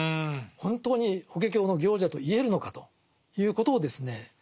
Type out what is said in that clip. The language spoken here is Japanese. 本当に「法華経の行者」と言えるのかということをですね